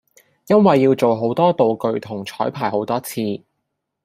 因為要做好多道具同彩排好多次